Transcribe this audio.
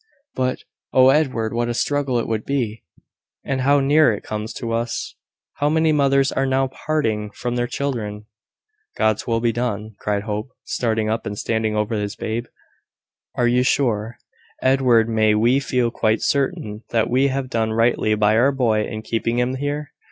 But, oh, Edward! what a struggle it would be! and how near it comes to us! How many mothers are now parting from their children!" "God's will be done!" cried Hope, starting up, and standing over his babe. "Are you sure, Edward may we feel quite certain that we have done rightly by our boy in keeping him here?"